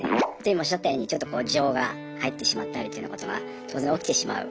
今おっしゃったようにちょっと情が入ってしまったりというようなことは当然起きてしまう。